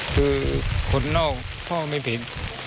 คือคนนอกพ่อไม่ผิด